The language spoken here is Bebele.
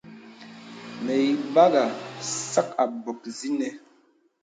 Mə ìbàghā sàk àbok zìnə.